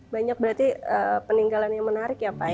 banyak berarti peninggalan yang menarik ya pak ya